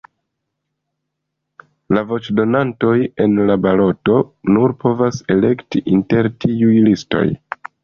La voĉdonantoj en la baloto nur povas elekti inter tiuj listoj.